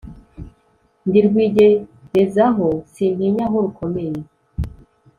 ndi rwigerezaho sintinya aho rukomeye,